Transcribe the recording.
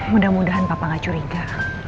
mudah mudahan papa gak curiga